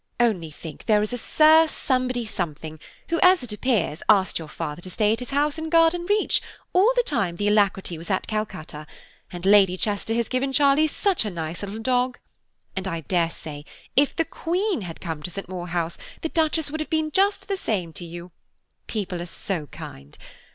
Only think there was a Sir Somebody Something, who, it appears, asked your father to stay at his house at Garden Reach, all the time the Alacrity was at Calcutta; and Lady Chester has given Charlie such a nice little dog. And, I dare say, if the Queen had come to St. Maur House, the Duchess would have been just the same to you. People are so kind.